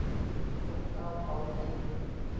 สุกเอาเผากิน